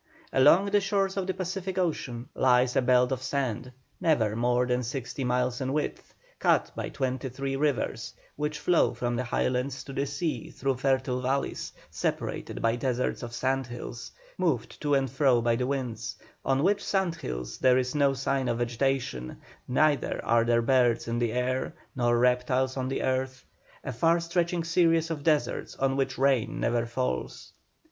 Along the shores of the Pacific ocean lies a belt of sand, never more than sixty miles in width, cut by twenty three rivers, which flow from the Highlands to the sea through fertile valleys, separated by deserts of sand hills, moved to and fro by the winds; on which sand hills there is no sign of vegetation, neither are there birds in the air, nor reptiles on the earth; a far stretching series of deserts on which rain never falls.